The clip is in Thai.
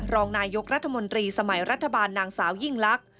รองนายกรัฐมนตรีสมัยรัฐบาลนางสาวยิ่งลักษณ